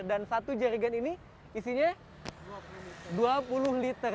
dan satu jerigan ini isinya dua puluh liter